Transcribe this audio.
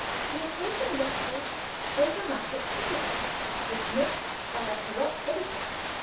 He has taken refuge in dramatic criticism dismissed by a corrupt editor.